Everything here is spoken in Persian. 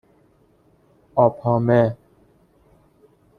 آپامه